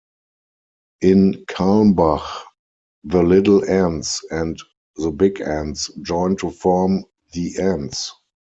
In Calmbach, the Little Enz and the Big Enz join to form the Enz.